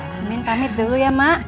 amin pamit dulu ya mak